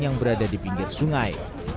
yang berada di pinggir sungai